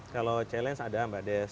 kalau challenge ada mbak des